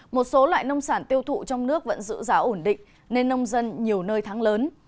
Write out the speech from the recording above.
một số loại nông sản tiêu thụ trong nước vẫn giữ giá ổn định nên nông dân nhiều nơi thắng lớn